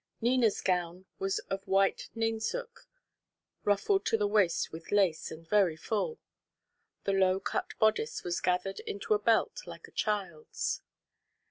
Nina's gown was of white nainsook ruffled to the waist with lace, and very full. The low cut bodice was gathered into the belt like a child's.